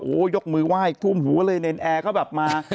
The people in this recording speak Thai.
โอ้โหยกมือไหว้ทุ่มหัวเลยเนรนแอร์ก็แบบมา